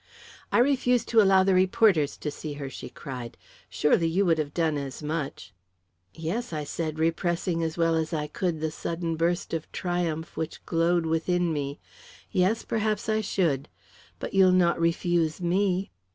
"I refused to allow the reporters to see her!" she cried. "Surely, you would have done as much!" "Yes," I said, repressing as well as I could the sudden burst of triumph which glowed within me. "Yes perhaps I should. But you'll not refuse me?"